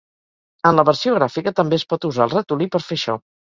En la versió gràfica també es pot usar el ratolí per fer això.